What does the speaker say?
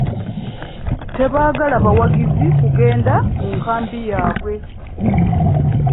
Tebaagala bawagizi kugenda mu nkambi yaabwe.